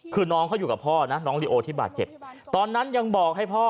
คือน้องเขาอยู่กับพ่อนะน้องลิโอที่บาดเจ็บตอนนั้นยังบอกให้พ่อ